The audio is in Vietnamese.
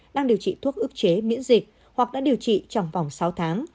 đang điều trị thuốc ức chế miễn dịch hoặc đã điều trị trong vòng sáu tháng